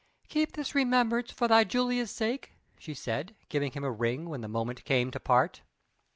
"Keep this remembrance for thy Julia's sake," she said, giving him a ring when the moment came to part.